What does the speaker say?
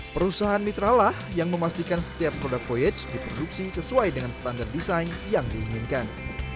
perusahaan mitra lah yang memastikan setiap produk voyage diproduksi sesuai dengan standar desain yang diinginkan